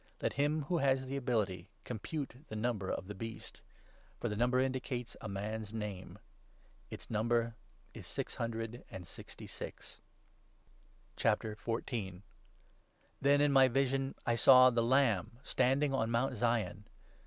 Let him who has the ability compute the number of the Beast ; for the number indicates a man's name. Its number is six hundred and sixty six. Then, in my vision, I saw the Lamb standing on Mount i Zion.